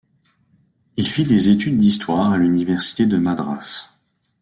Il fit des études d'histoire à l'université de Madras.